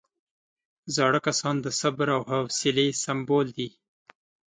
زاړه کسان د صبر او حوصلې سمبول دي